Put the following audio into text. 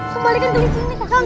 kembalikan kelinci ini kakang